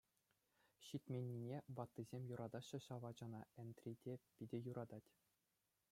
Ҫитменнине, ваттисем юратаҫҫӗ ҫав ачана, Энтри те питӗ юратать.